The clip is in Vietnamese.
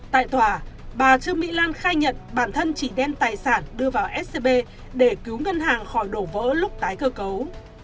tại tòa bà trương mỹ lan khai nhận bản thân chỉ đem tài sản đưa vào scb để cứu ngân hàng khỏi đổ vỡ lúc tái cơ cấu